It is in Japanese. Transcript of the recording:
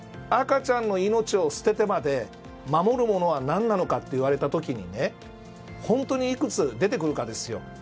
赤ちゃんの命を捨ててまで守るものは何なのかと言われた時本当にいくつ出てくるかです。